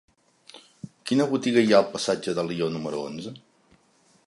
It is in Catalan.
Quina botiga hi ha al passatge d'Alió número onze?